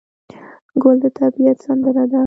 ګل د طبیعت سندره ده.